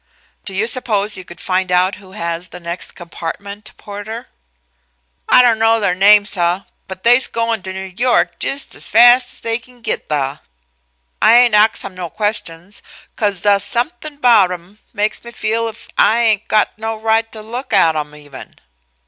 "Do you suppose you could find out who has the next compartment, porter?" "I don't know their name, sub, but they's goin' to New York jis as fas' as they can git thuh. I ain' ax um no questions, 'cause thuh's somethin' 'bout um makes me feel's if I ain' got no right to look at um even."